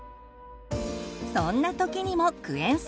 そんな時にもクエン酸。